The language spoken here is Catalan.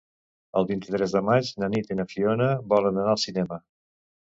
El vint-i-tres de maig na Nit i na Fiona volen anar al cinema.